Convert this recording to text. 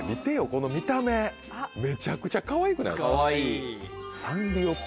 この見た目めちゃくちゃかわいくないですか。